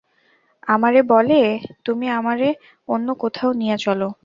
আমারে বলে, তুমি আমারে অন্য কোথাও নিয়া চল।